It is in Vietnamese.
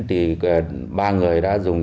thì ba người đã dùng